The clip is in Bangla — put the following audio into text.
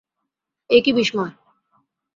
এ কী বিসময়!